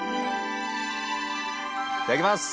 いただきます！